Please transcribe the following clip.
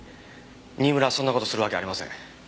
新村はそんな事するわけありません。